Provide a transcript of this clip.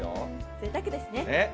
ぜいたくですね。